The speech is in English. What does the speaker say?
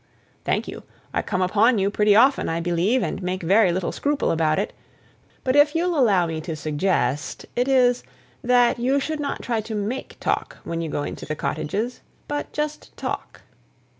"Thank you; I come upon you pretty often, I believe, and make very little scruple about it; but if you'll allow me to suggest, it is, that you shouldn't try to make talk when you go into the cottages; but just talk."